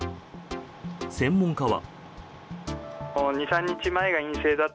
専門家は。